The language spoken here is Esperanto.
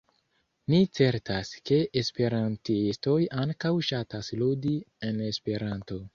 Ni certas, ke esperantistoj ankaŭ ŝatas ludi en Esperanto!